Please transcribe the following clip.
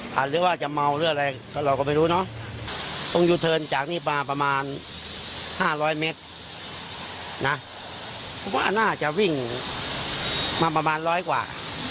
เพราะว่าน่าจะวิ่งมาประมาณร้อยกว่า